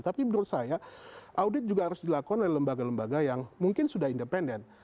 tapi menurut saya audit juga harus dilakukan oleh lembaga lembaga yang mungkin sudah independen